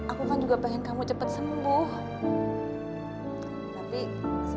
aku kan juga pengen kamu cepat sembuh